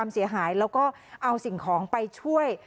สื่อสินของไปช่วย